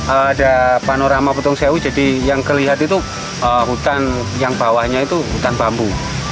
ada panorama petung sewu jadi yang kelihatan itu hutan yang bawahnya itu hutan bambu